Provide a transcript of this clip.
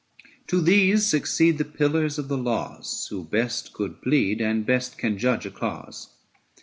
To these succeed the pillars of the laws, Who best could plead, and best can judge a cause.